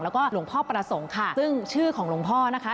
แล้วก็หลวงพ่อประสงค์ค่ะซึ่งชื่อของหลวงพ่อนะคะ